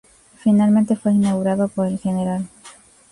Finalmente fue inaugurado por el Gral.